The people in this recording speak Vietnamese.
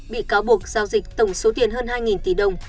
bị cáo buộc giao dịch tổng số tiền hơn hai tỷ đồng